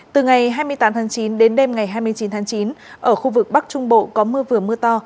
từ ngày hai mươi tám tháng chín đến đêm ngày hai mươi chín tháng chín ở khu vực bắc trung bộ có mưa vừa mưa to